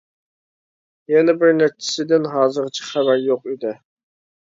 يەنە بىر نەچچىسىدىن ھازىرغىچە خەۋەر يوق ئىدى.